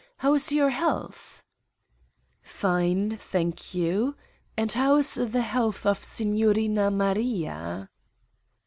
How is your health ?" "Fine, thank you. And how is the health of Signorina Maria